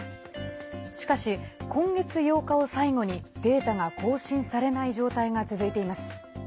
しかし、今月８日を最後にデータが更新されない状態が続いています。